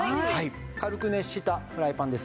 軽く熱したフライパンです。